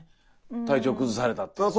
体調崩されたっていうのが。